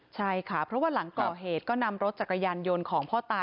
ใช่ค่ะเพราะว่าหลังก่อเหตุก็นำรถจักรยานยนต์ของพ่อตา